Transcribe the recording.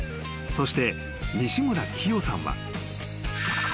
［そして西村喜代さんは］